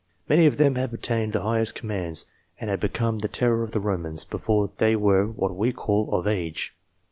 Many of them had obtained the highest commands, and had become the terror of the Romans, before they were what we call " of age."